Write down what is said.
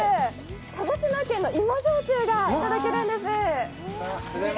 鹿児島県の芋焼酎が頂けるんです。